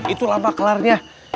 itu lama kelarnya